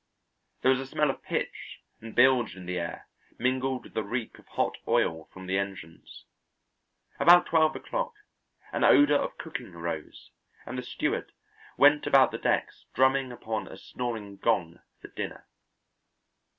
There was a smell of pitch and bilge in the air mingled with the reek of hot oil from the engines. About twelve o'clock an odour of cooking arose, and the steward went about the decks drumming upon a snoring gong for dinner.